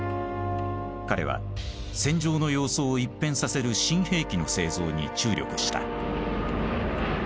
彼は戦場の様相を一変させる新兵器の製造に注力した。